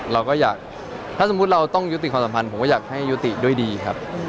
เราก็อยากถ้าสมมุติเราต้องยุติความสัมพันธ์ผมก็อยากให้ยุติด้วยดีครับ